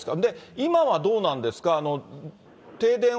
今はどうなんですか。